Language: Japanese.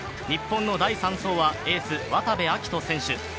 日本の第３走はエース・渡部暁斗選手。